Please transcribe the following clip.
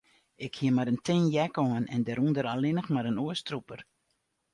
Ik hie mar in tin jack oan en dêrûnder allinnich mar in oerstrûper.